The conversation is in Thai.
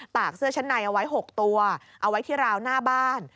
กเสื้อชั้นในเอาไว้๖ตัวเอาไว้ที่ราวหน้าบ้าน